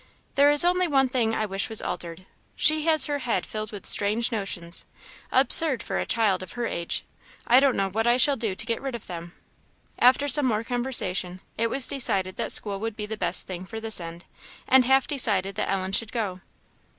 There is only one thing I wish was altered she has her head filled with strange notions absurd for a child of her age I don't know what I shall do to get rid of them." After some more conversation, it was decided that school would be the best thing for this end, and half decided that Ellen should go.